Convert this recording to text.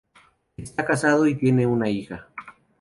Esta casado y tiene una hija.